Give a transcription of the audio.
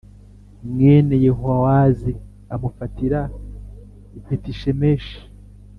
mwene Yehowahazi amufatira i Betishemeshi